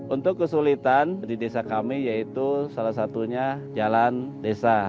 untuk kesulitan di desa kami yaitu salah satunya jalan desa